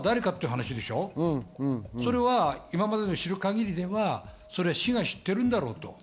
今まで知る限りではそれは市は知っているんだろうと。